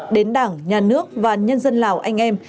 đến đảng nhà nước và nhân dân lào anh em